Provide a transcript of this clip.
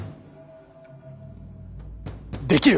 できる！